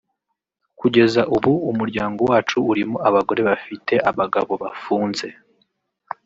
kugeza ubu umuryango wacu urimo abagore bafite abagabo bafunze